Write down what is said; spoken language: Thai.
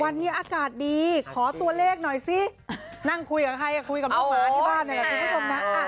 วันนี้อากาศดีขอตัวเลขหน่อยซินั่งคุยกับใครคุยกับน้องหมาที่บ้านต้องดูแล